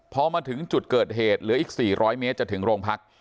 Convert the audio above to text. พอมาถึงจุดเกิดเหตุเหลืออีก๔๐๐เมตรจะถึงโรงพัก